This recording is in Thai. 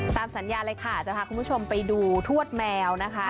ตามสัญญาเลยค่ะจะพาคุณผู้ชมไปดูทวดแมวนะคะ